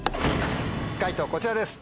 解答こちらです。